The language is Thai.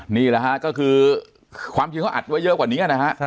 นี่แหละฮะก็คือความจริงเขาอัดไว้เยอะกว่านี้นะฮะ